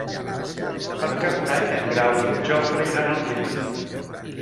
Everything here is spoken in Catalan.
Per Cap d'Any en Grau i en Jofre iran al metge.